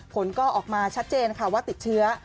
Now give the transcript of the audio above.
ผลก็ออกมาชัดเจนค่ะว่าติดเชื้อ